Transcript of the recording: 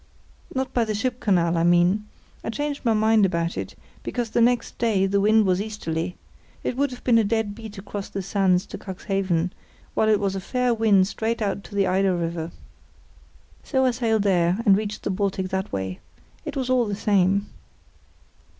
"Not by the ship canal, I mean. I changed my mind about it, because the next day the wind was easterly. It would have been a dead beat across the sands to Cuxhaven, while it was a fair wind straight out to the Eider River. So I sailed there, and reached the Baltic that way. It was all the same."